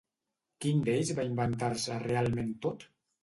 Quin d'ells va inventar-se realment tot?